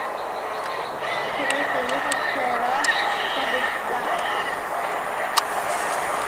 To make the results clearer, they can be graphed.